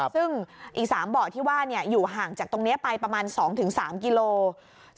ซึ่งอีก๓เบาะที่ว่าอยู่ห่างจากตรงนี้ไปประมาณ๒๓กิโลกรัม